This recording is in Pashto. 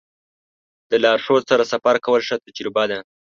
د لارښود سره سفر کول ښه تجربه ده.